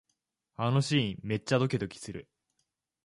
あのシーン、めっちゃドキドキする